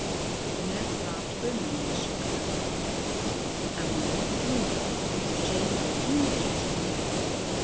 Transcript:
The nurse laughed grimly, and shook her gray head. "And we will fumigate, Jane, fumigate tremendously.